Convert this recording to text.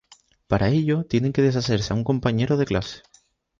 Para ello, tienen que deshacerse a un compañero de clase.